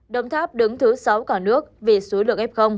đồng tháp đứng thứ sáu cả nước vì số lượng f